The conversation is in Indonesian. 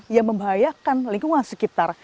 yang membahayakan lingkungan sekitar